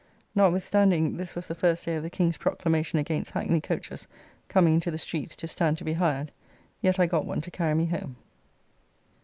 Notwithstanding this was the first day of the King's proclamation against hackney coaches coming into the streets to stand to be hired, yet I got one to carry me home.